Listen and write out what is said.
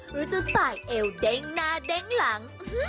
หรือจะสายเอวเด้งหน้าเด้งหลัง